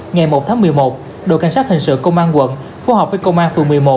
ngày một tháng một mươi một đội cảnh sát hình sự công an quận phối hợp với công an phường một mươi một